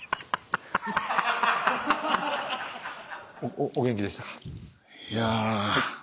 おお元気でしたか？